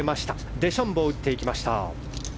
デシャンボー打っていきました。